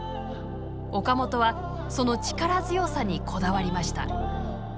岡本はその力強さにこだわりました。